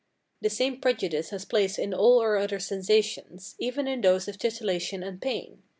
The same prejudice has place in all our other sensations, even in those of titillation and pain.